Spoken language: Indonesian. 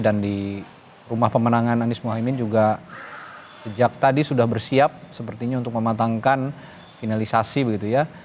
dan di rumah pemenangan anies mohaimin juga sejak tadi sudah bersiap sepertinya untuk mematangkan finalisasi begitu ya